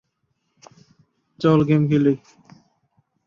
শহর শক্তিশালী প্রতিরক্ষা ব্যবস্থা দ্বারা পরিবেষ্টিত ছিল।